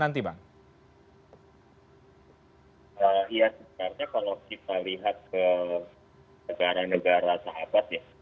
iya sebenarnya kalau kita lihat ke negara negara saat